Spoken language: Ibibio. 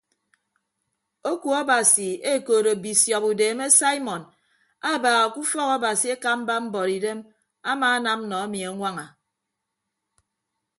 Oku abasi ekoodo bisiọp udeeme saimọn abaaha ke ufọk abasi ekamba mbuọtidem amaanam nọ emi añwaña.